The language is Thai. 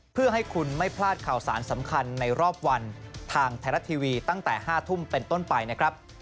เพื่อให้คุณไม่พลาดข่าวสารสำคัญในรอบวันทางไทยรัฐทีวีตั้งแต่๕ทุ่มเป็นต้นไปนะครับ